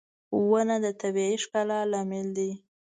• ونه د طبيعي ښکلا لامل دی.